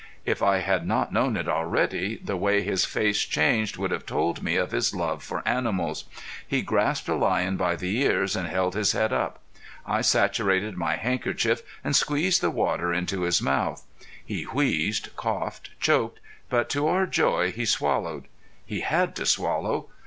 If I had not known it already, the way his face changed would have told me of his love for animals. He grasped a lion by the ears and held his head up. I saturated my handkerchief and squeezed the water into his mouth. He wheezed, coughed, choked, but to our joy he swallowed. He had to swallow.